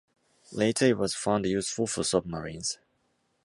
Later, it was found useful for submarines.